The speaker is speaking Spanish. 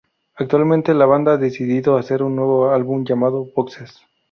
Actualmente, la banda ha decidido hacer un nuevo álbum llamado "Boxes".